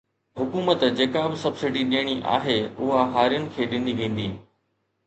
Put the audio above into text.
حڪومت جيڪا به سبسڊي ڏيڻي آهي اها هارين کي ڏني ويندي